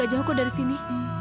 gak jauh kok dari sini